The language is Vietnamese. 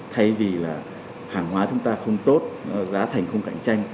thay vì là hàng hóa chúng ta không tốt giá thành không cạnh tranh